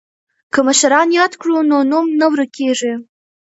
که مشران یاد کړو نو نوم نه ورکيږي.